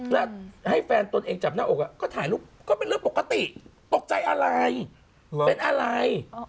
แล้วให้แฟนตนเองจับหน้าอกก็ถ่ายรูปก็เป็นเรื่องปกติตกใจอะไรเป็นอะไร